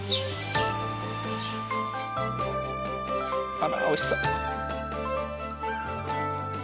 あら美味しそう。